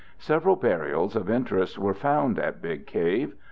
Several burials of interest were found at Big Cave.